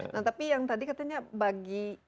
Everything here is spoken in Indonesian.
nah tapi yang tadi katanya bagi